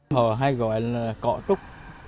họ hay gọi là cọ trúc